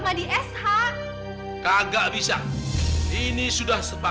emang ke guide saya sudah untuk maju